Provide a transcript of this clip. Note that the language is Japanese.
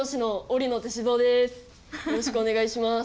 よろしくお願いします。